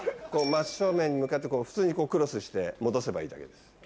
真っ正面に向かって普通にクロスして戻せばいいだけです。